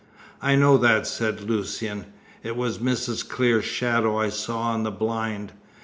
"I know that," said Lucian. "It was Mrs. Clear's shadow I saw on the blind.